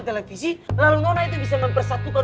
televisi lalu mana itu bisa mempersatukan